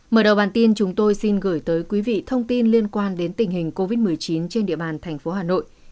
mở đầu bản tin chúng tôi xin gửi tới quý vị thông tin liên quan đến tình hình covid một mươi chín trên địa bàn thành phố hà nội